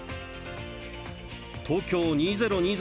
東京２０２０